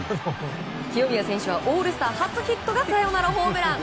清宮選手はオールスター初ヒットがサヨナラホームラン！